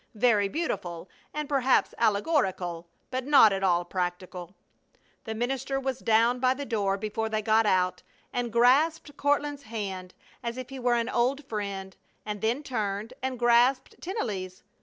Very beautiful, and perhaps allegorical, but not at all practical! The minister was down by the door before they got out, and grasped Courtland's hand as if he were an old friend, and then turned and grasped Tennelly's.